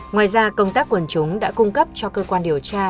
ngoài ra công tác quần chúng đã cung cấp cho cơ quan điều tra